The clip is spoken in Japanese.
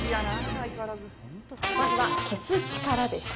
まずは消す力です。